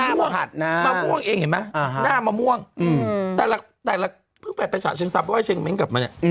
มะม่วงมะม่วงเองเห็นไหมหน้ามะม่วงแต่แบบแต่ละประสาทเชียงทรัพย์ว่าเชียงมันกับเมื่อ